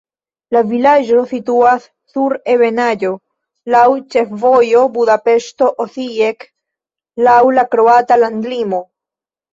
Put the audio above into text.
La vilaĝo situas sur ebenaĵo, laŭ ĉefvojo Budapeŝto-Osijek, laŭ la kroata landlimo.